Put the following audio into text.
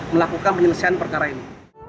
melakukan penyelesaian perkara ini